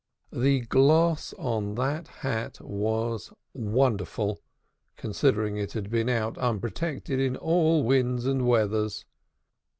The gloss on that hat was wonderful, considering it had been out unprotected in all winds and weathers.